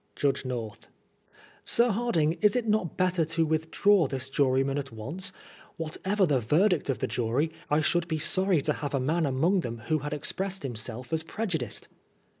"Judge North : Sir Hardinge, is it not better to withdraw this juryman at once ? Whatever the verdict of the jury, I should be sorry to have a man among them who had expressed himself as prejudiced.